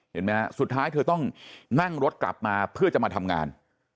เห็นไหมฮะสุดท้ายเธอต้องนั่งรถกลับมาเพื่อจะมาทำงาน